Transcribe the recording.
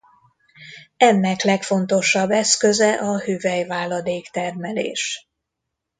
Ennek legfontosabb eszköze a hüvelyváladék-termelés.